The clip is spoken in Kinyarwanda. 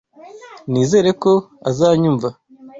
Nizere ko azanyumva.